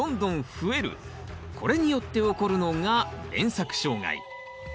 これによって起こるのが連作障害。